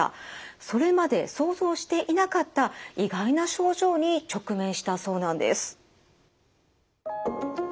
それまで想像していなかった意外な症状に直面したそうなんです。